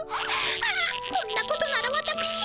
ああこんなことならわたくし